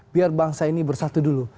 biar bangsa ini bersatu dulu